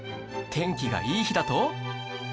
天気がいい日だと